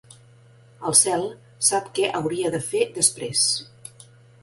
El cel sap què hauria de fer després.